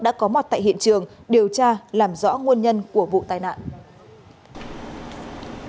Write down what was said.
đã có mặt tại hiện trường điều tra làm rõ nguồn nhân của vụ tai nạn